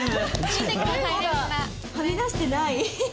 はみ出してない。